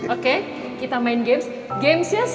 oke kita main games gamesnya